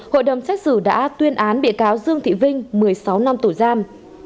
hội đồng xét xử đã tuyên án bị cáo dương thị vinh một mươi sáu năm tù giam